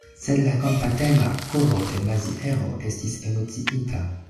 Sed la kompatema koro de Maziero estis emociita.